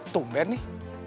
tunggu ben nih